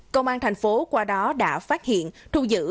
công an thành phố qua đó đã phát hiện thu giữ